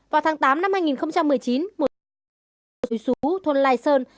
vào tháng tám năm hai nghìn một mươi chín một dịch vụ sủi xú thôn lai sơn